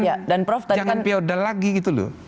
jangan piodel lagi gitu loh